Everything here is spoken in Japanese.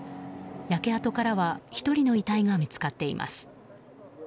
焼け跡からは１人の遺体が見つかっています。